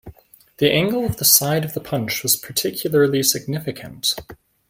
The angle of the side of the punch was particularly significant.